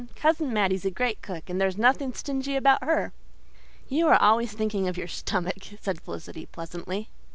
"Cousin Mattie's a great cook and there's nothing stingy about her." "You are always thinking of your stomach," said Felicity pleasantly.